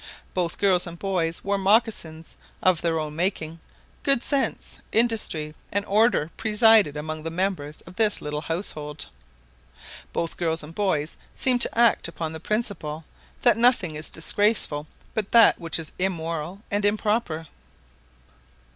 Both girls and boys wore mocassins, of their own making: good sense, industry, and order presided among the members of this little household. Both girls and boys seemed to act upon the principle, that nothing is disgraceful but that which is immoral and improper.